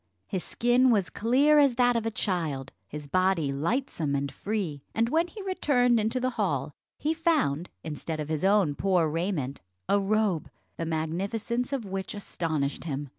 His skin was clear as that of a child, his body lightsome and free; and when he returned into the hall, he found, instead of his own poor raiment, a robe, the magnificence of which astonished him.